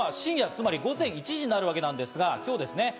つまり午前１時になるわけですが、今日ですね。